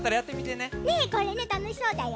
ねえこれねたのしそうだよね。